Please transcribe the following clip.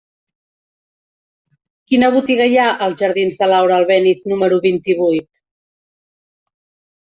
Quina botiga hi ha als jardins de Laura Albéniz número vint-i-vuit?